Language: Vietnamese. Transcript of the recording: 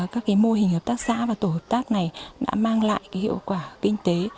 các mô hình hợp tác xã và tổ hợp tác này đã mang lại hiệu quả kinh tế